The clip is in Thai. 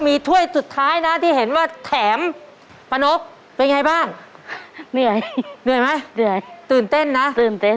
หยุดไม่ได้แล้วครับตอนนี้ความเร็วเริ่มมาแล้วครับ